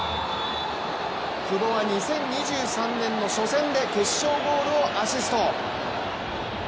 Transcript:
久保は２０２３年の初戦で決勝ゴールをアシスト。